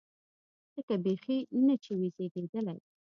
لکه بيخي نه چې وي زېږېدلی.